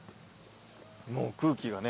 もう空気がね